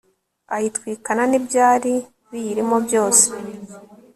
ayitwikana n'ibyari biyirimo byose